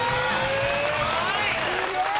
すげえ！